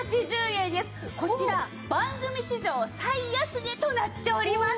こちら番組史上最安値となっております。